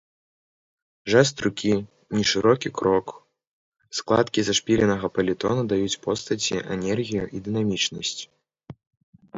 Жэст рукі, нешырокі крок, складкі зашпіленага паліто надаюць постаці энергію і дынамічнасць.